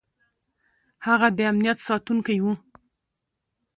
هغه د امنیت ساتونکی و.